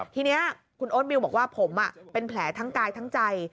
ทีนี้คุณโอ๊ตมิวบอกว่าผมเป็นแผลทั้งกายทั้งใจ